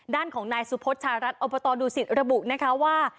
ด้านของนายสุพศชารัฐอพตดูสิรบุว่า